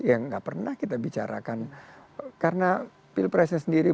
yang nggak pernah kita bicarakan karena pilpresnya sendiri